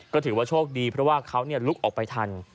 ก็ถือว่าโชคดีเพราะว่าเขาลุกออกไปทัน